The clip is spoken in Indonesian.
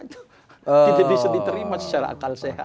itu tidak bisa diterima secara akal sehat